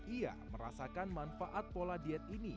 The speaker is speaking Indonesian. ia merasakan manfaat pola diet ini